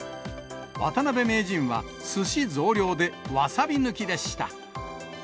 渡辺名人は、すし増量でわさび抜きでした。